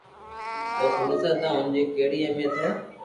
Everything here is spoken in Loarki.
اهو سمجهندا ته ان جي ڪهڙي اهميت آهي،